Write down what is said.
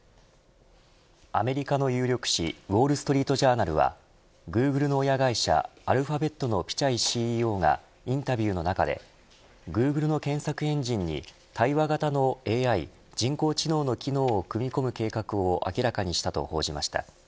アメリカの有力紙ウォール・ストリート・ジャーナルはグーグルの親会社アルファベットのピチャイＣＥＯがインタビューの中でグーグルの検索エンジンに対話型のＡＩ人工知能の機能を組み込む計画を明らかにしたと報じました。